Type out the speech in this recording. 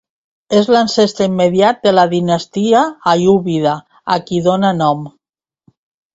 És l'ancestre immediat de la dinastia aiúbida, a qui dóna nom.